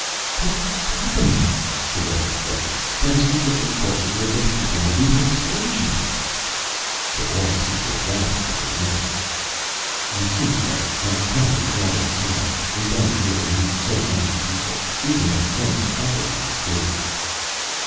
"What's happening?" Dolores said. "I received a vidcall that you had been hurt in a lunar explosion " The wall speaker rasped into life. "You see, Philip, that problem is already solved. We don't really need so many people; even a single couple might do."